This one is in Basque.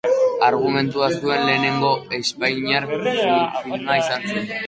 Argumentua zuen lehenengo espainiar filma izan zen.